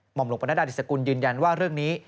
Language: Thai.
หม่อมลงประณะดาวนิสกุลยืนยันว่าเรื่องนี้